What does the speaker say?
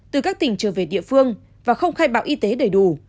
từ các tỉnh trở về địa phương và không khai báo y tế đầy đủ